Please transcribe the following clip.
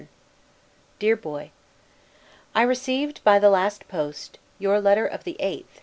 1747 DEAR BOY: I received, by the last post, your letter of the 8th, N.